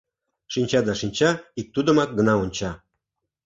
Шинча да шинча, ик тудымак гына онча.